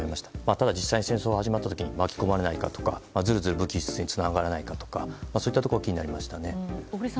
ただ、実際に戦争が始まった時巻き込まないかとか武器輸出につながらないかとかそういったところが気になりました。